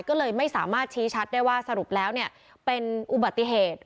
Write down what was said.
ก็เลยไม่สามารถชี้ชัดได้ว่าสรุปแล้วเป็นอุบัติเหตุ